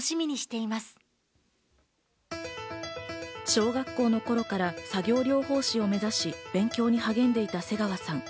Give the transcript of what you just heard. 小学校の頃から作業療法士を目指し、勉強に励んでいた瀬川さん。